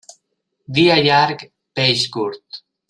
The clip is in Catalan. Dia llarg, peix curt.